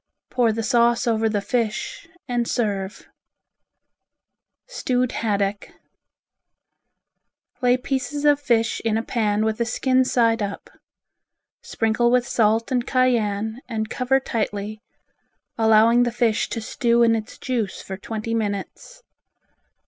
Pour the sauce over the fish and serve. Stewed Haddock Lay pieces of fish in a pan with the skin side up. Sprinkle with salt and cayenne, and cover tightly, allowing the fish to stew in its juice for twenty minutes.